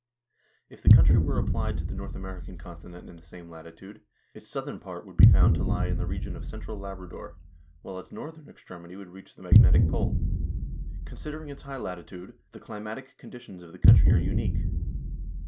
If the country were applied to the North American continent in the same latitude, its southern part would be found to lie in the region of central Labrador, while its northern extremity would reach the magnetic pole. Considering its high latitude, the climatic conditions of the country are unique.